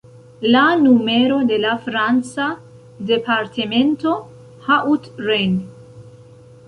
La numero de la franca departemento Haut-Rhin.